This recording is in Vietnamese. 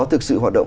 thực sự hoạt động